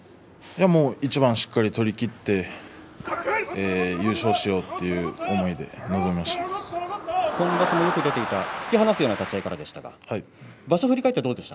一番しっかり取りきって優勝しようという思いで今場所もよく出ていた突き放すような立ち合いからでした。